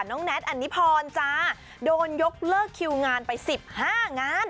แน็ตอันนิพรจ้าโดนยกเลิกคิวงานไป๑๕งาน